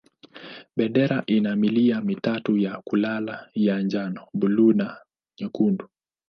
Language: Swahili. Bendera ina milia mitatu ya kulala ya njano, buluu na nyekundu.